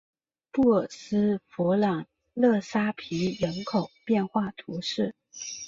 布尔斯弗朗勒沙皮人口变化图示